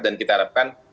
dan kita harapkan